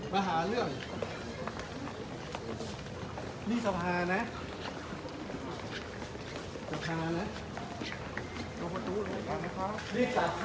มาหาเรื่องนี่สะพาน่ะสะพาน่ะลงประตูหน่อยนะครับพร้อม